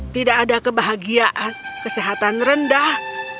tidak ada kebahagiaan kesehatan rendah